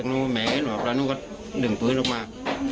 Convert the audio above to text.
และนึกลงพื้นลงมา